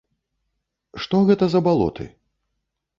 Што гэта за балоты?